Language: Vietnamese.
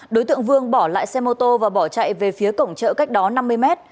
đối tượng vương bỏ lại xe mô tô và bỏ chạy về phía cổng chợ cách đó năm mươi mét